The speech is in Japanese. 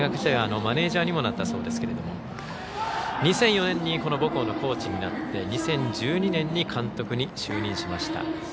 大学時代にはマネージャーにもなったそうですが２００４年に母校のコーチになって２０１２年に監督に就任しました。